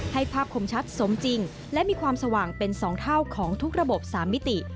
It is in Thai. ภาพคมชัดสมจริงและมีความสว่างเป็น๒เท่าของทุกระบบ๓มิติ